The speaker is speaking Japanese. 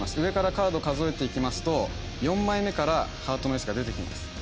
上からカードを数えていきますと４枚目からハートのエースが出てきます。